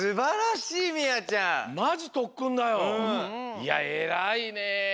いやえらいね。